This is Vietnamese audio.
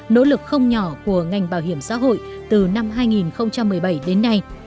nỗ lực không nhỏ của ngành bảo hiểm xã hội từ năm hai nghìn một mươi bảy đến nay